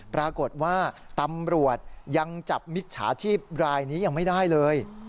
ปรากฏว่าตำรวจยังจับมิจฉาชีพรายนี้ยังไม่ได้เลย